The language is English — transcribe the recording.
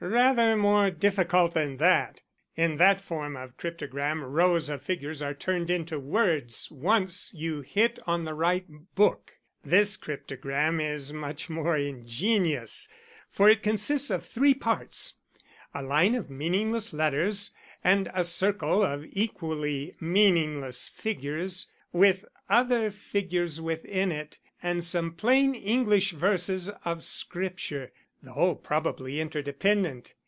"Rather more difficult than that. In that form of cryptogram rows of figures are turned into words once you hit on the right book. This cryptogram is much more ingenious, for it consists of three parts a line of meaningless letters and a circle of equally meaningless figures, with other figures within it, and some plain English verses of Scripture, the whole probably interdependent.